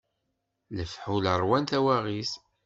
Lefḥul ṛwan tawaɣit.